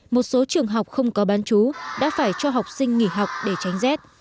một số trường học không có bán chú đã phải cho học sinh nghỉ học để tránh rét